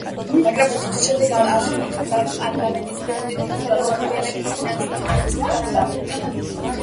მაგრამ ხუთი თვის შემდეგ ალ-აზმი კვლავ პარლამენტის დეპუტატი, ხოლო მოგვიანებით ფინანსთა მინისტრი გახდა.